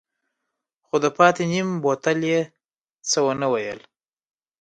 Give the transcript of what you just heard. خو د پاتې نيم بوتل يې څه ونه ويل.